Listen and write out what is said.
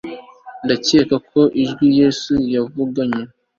ndacyeka ko ijwi yesu yavuganye